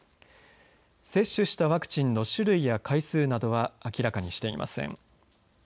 接種したワクチンの種類や回数などは明らかにしていません。